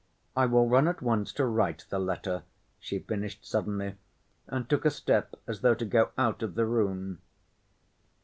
I will run at once to write the letter," she finished suddenly, and took a step as though to go out of the room.